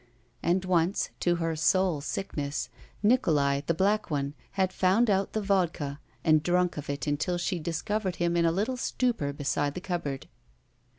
And once, to her soul sickness, Nikolai, the black one, had found out the vodka and drunk of it until she discovered him in a little stupor beside the cupboard.